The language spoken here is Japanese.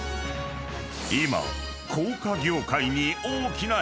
［今］